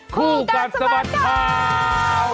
คู่กันสะบัดกล้าาาาาว